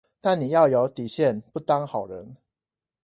但你要有底線不當好人